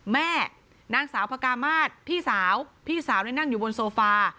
แม่นางสาวพกามาศพี่สาวพี่สาวนี่นั่งอยู่บนโซฟา